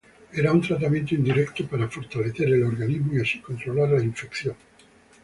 Era un tratamiento indirecto para fortalecer el organismo y así controlar la infección.